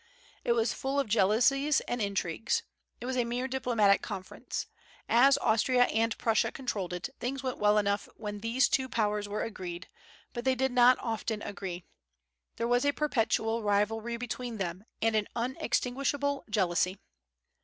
It was full of jealousies and intrigues. It was a mere diplomatic conference. As Austria and Prussia controlled it, things went well enough when these two Powers were agreed; but they did not often agree. There was a perpetual rivalry between them, and an unextinguishable jealousy.